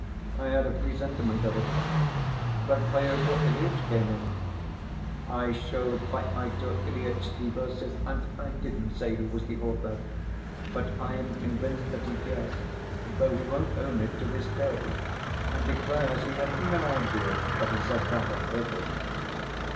I had a presentiment of it; but Pyotr Ilyitch came in. I showed Pyotr Ilyitch the verses and didn't say who was the author. But I am convinced that he guessed, though he won't own it to this day, and declares he had no idea. But he says that on purpose.